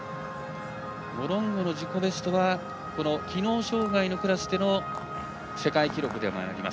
モロンゴの自己ベストはこの機能障がいのクラスで世界記録でもあります。